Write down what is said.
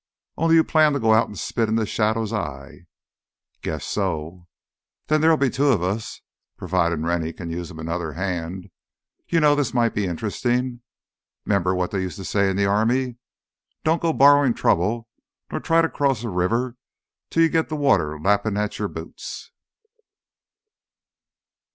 "Only you plan to go out an' spit in th' shadow's eye?" "Guess so." "Then there'll be two of us. Providin' Rennie can use him 'nother hand. You know, this might be interestin'. 'Member what they used to say in the army? Don't go borrowin' trouble nor try to cross a river till you git th' water lappin' at your boots."